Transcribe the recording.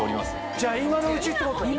じゃ今のうちってことだね。